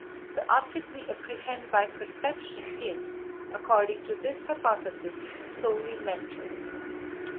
The object we apprehend by perception is, according to this hypothesis, solely mental.